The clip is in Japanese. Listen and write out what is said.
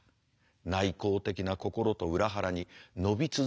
内向的な心と裏腹に伸び続けていく身の丈。